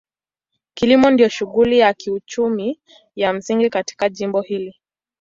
Kilimo ndio shughuli ya kiuchumi ya msingi katika jimbo hili.